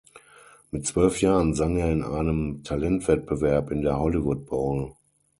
Mit zwölf Jahren sang er in einem Talentwettbewerb in der Hollywood Bowl.